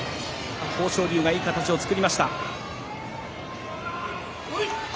豊昇龍がいい形を作りました。